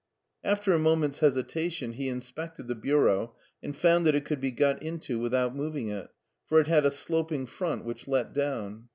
After a moment's hesitation he in spected the bureau and found that it could be got into without moving it, for it had a sloping front which let down.